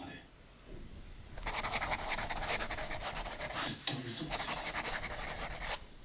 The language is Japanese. ずっと嘘ついてた。